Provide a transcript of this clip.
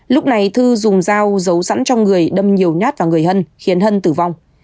lúc này thư dùng dao giấu sẵn trong người đâm nhiều nhát vào người hân khiến hân tử vong